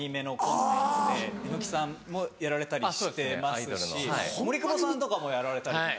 榎木さんもやられたりしてますし森久保さんとかもやられたりとか。